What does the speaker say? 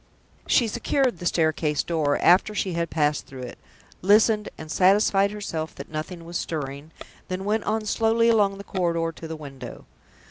She secured the staircase door, after she had passed through it listened, and satisfied herself that nothing was stirring then went on slowly along the corridor to the window.